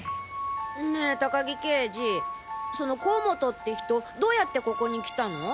ねえ高木刑事その甲本って人どうやってここに来たの？